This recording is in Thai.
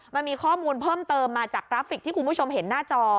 มันมีข้อมูลเพิ่มเติมมาจากกราฟิกที่คุณผู้ชมเห็นหน้าจอ